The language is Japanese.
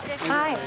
はい。